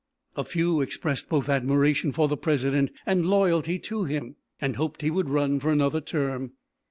A few expressed both admiration for the President and loyalty to him, and hoped he would run for another term.